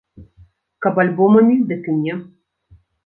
Каб альбомамі, дык і не.